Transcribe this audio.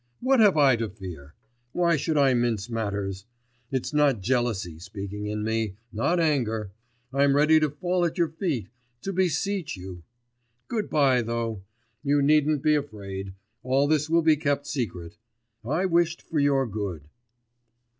What have I to fear? Why should I mince matters? It's not jealousy speaking in me, not anger.... I'm ready to fall at your feet, to beseech you.... Good bye, though. You needn't be afraid, all this will be kept secret. I wished for your good.